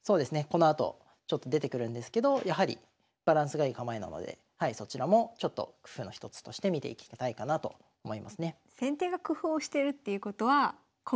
このあとちょっと出てくるんですけどやはりバランスがいい構えなのでそちらもちょっと工夫の一つとして見ていきたいかなと思いますね。